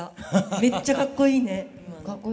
めっちゃかっこいいね今の。